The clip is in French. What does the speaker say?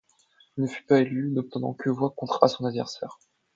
Il ne fut pas élu, n'obtenant que voix contre à son adversaire.